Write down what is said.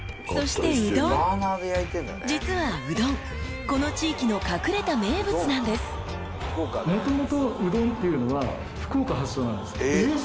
［実はうどんこの地域の隠れた名物なんです］えっ！